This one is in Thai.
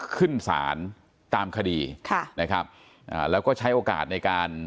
ขึ้นศาลตามคดีแล้วก็ใช้โอกาสในการ